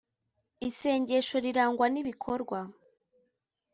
isengesho rirangwa n'ibikorwa